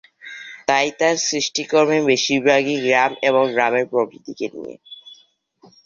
তাই তার সৃষ্টিকর্মের বেশিরভাগ ই গ্রাম এবং গ্রামের প্রকৃতিকে নিয়ে।